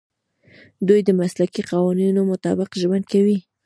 دوی د مسلکي قوانینو مطابق ژوند کوي.